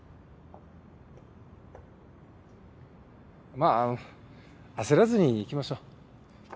まああの焦らずにいきましょう。